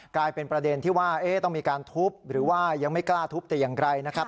กลายเป็นประเด็นที่ว่าต้องมีการทุบหรือว่ายังไม่กล้าทุบแต่อย่างไกลนะครับ